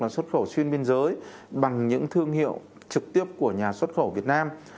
xuất khẩu xuyên biên giới bằng những thương hiệu trực tiếp của nhà xuất khẩu việt nam